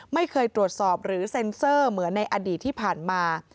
ไม่เคยตรวจสอบหรือเซ็นเซอร์เหมือนในอดีตที่ผ่านมา